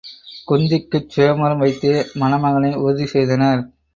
குந்திக்குச் சுயம்வரம் வைத்தே மணமகனை உறுதி செய்தனர்.